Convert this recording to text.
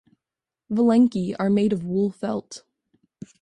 Valenki are made of wool felt.